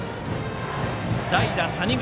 代打、谷口。